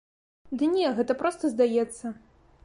Ды не, гэта проста здаецца.